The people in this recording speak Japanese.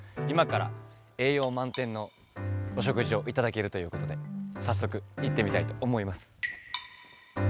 今から栄養満点のお食事を頂けるということで早速行ってみたいと思います。